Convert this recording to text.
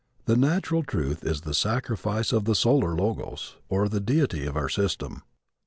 The natural truth is the sacrifice of the solar Logos, or the deity of our system.